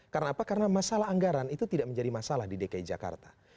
karena apa karena masalah anggaran itu tidak menjadi masalah di dki jakarta